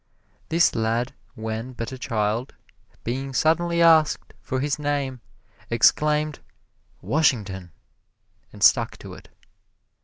This lad when but a child, being suddenly asked for his name, exclaimed, "Washington," and stuck to it.